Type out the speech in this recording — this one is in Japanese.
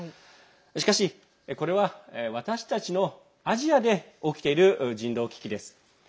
しかしこれは、私たちのアジアで起きている人道危機です。